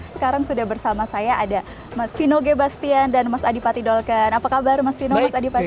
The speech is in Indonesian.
sekarang sudah bersama saya ada mas vino gebastian dan mas adipati dolken apa kabar mas vino mas adipati